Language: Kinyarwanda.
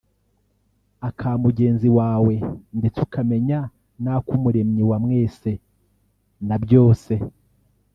aka mugenzi wawe ndetse ukamenya n’ak’umuremyi wa mwese na byose”